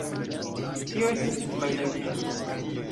Tio estas tute malĝusta.